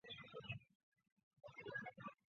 挪亚无疑从父亲那里知道不少事情。